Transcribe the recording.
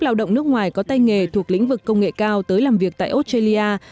lao động nước ngoài có tay nghề thuộc lĩnh vực công nghệ cao tới làm việc tại australia